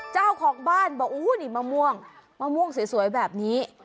เจ้าของบ้านบอกอู้นี่มะม่วงมะม่วงสวยแบบนี้